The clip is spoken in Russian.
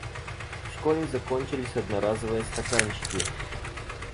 В школе закончились одноразовые стаканчики.